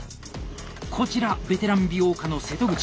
こちら「ベテラン美容家」の瀬戸口。